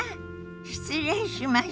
失礼しました。